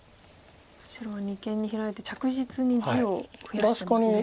白は二間にヒラいて着実に地を増やしてますね。